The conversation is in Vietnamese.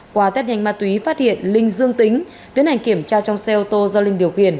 qua tết nhanh ma túy phát hiện linh dương tính tiến hành kiểm tra trong xe ô tô do linh điều khiển